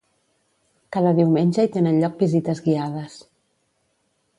Cada diumenge hi tenen lloc visites guiades.